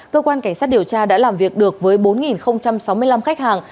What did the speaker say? cơ quan cảnh sát điều tra đã làm việc được với bốn sáu mươi năm khách hàng